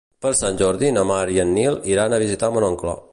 Per Sant Jordi na Mar i en Nil iran a visitar mon oncle.